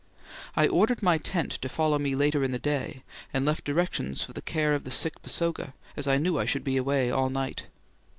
I ordered my tent to follow me later in the day, and left directions for the care of the sick Basoga, as I knew I should be away all night.